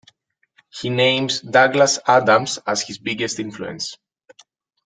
He names Douglas Adams as his biggest influence.